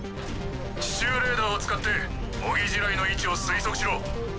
地中レーダーを使って模擬地雷の位置を推測しろ。